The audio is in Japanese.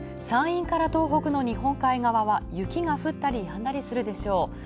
山陰から東北の日本海側は雪が降ったりやんだりするでしょう。